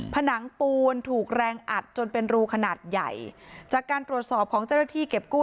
ผนังปูนถูกแรงอัดจนเป็นรูขนาดใหญ่จากการตรวจสอบของเจ้าหน้าที่เก็บกู้